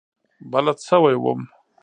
بلد شوی وم.